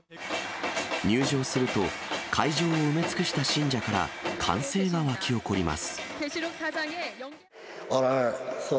入場すると、会場を埋め尽くした信者から、歓声が沸き起こります。